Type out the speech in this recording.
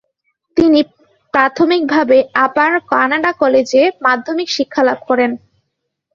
তিনি প্রাথমিকভাবে Upper Canada কলেজে মাধ্যমিক শিক্ষা লাভ করেন।